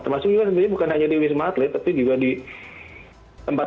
maksudnya bukan hanya di wisma atlet tapi di wisma